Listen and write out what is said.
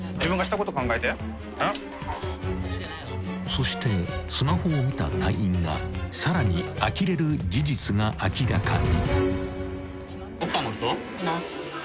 ［そしてスマホを見た隊員がさらにあきれる事実が明らかに］